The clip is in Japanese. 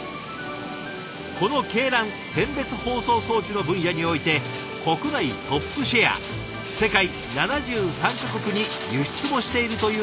この「鶏卵・選別包装装置」の分野において国内トップシェア世界７３か国に輸出もしているというこちらの会社。